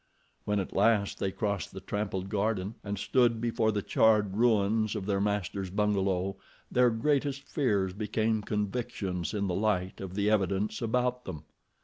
When, at last they crossed the trampled garden and stood before the charred ruins of their master's bungalow, their greatest fears became convictions in the light of the evidence about them.